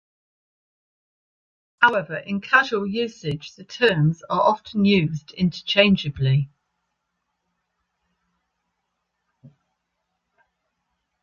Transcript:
However, in casual usage, the terms are often used interchangeably.